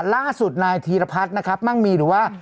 ล่าสุดทีลพัดท์นะครับมั่งมีหรือว่า